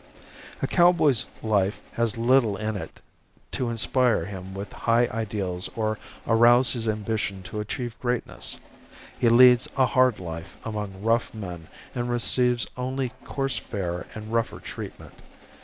A cowboy's life has little in it to inspire him with high ideals or arouse his ambition to achieve greatness. He leads a hard life among rough men and receives only coarse fare and rougher treatment.